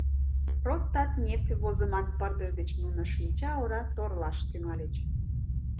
«Ростатнефть» возыман пырдыж деч нуно шинчаора торлаш тӱҥальыч.